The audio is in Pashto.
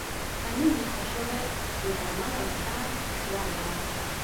که نه وي ښه شوی نو درمل او چای ور وړه